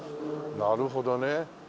なるほどね。